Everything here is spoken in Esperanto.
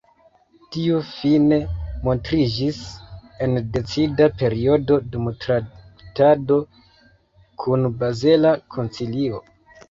Tio fine montriĝis en decida periodo, dum traktado kun bazela koncilio.